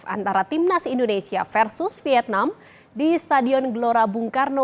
antara timnas indonesia versus vietnam di stadion gelora bung karno